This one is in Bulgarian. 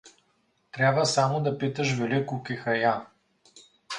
Трябва само да питаш Велико кехая.